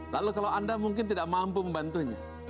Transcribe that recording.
lalu kalau anda mungkin tidak mampu membantunya